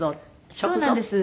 そうなんです。